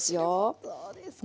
そうですか。